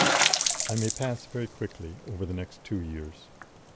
I may pass very quickly over the next two years.